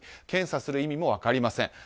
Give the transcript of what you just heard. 検査する意味も分かりません。